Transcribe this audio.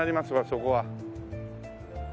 そこは。